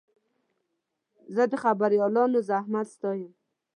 زه د خبریالانو زحمت ستایم.